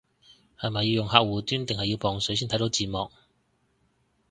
係咪要用客戶端定要磅水先睇到字幕